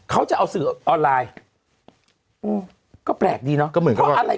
เขาจะเอาสื่อออนไลน์อืมก็แปลกดีเนอะก็เหมือนกันเพราะอะไร